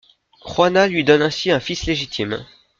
Juana lui donne ainsi un fils légitime.